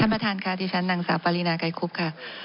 ท่านประทานค่ะที่ชั้นนางสาวปริณาไกลคุบค่ะ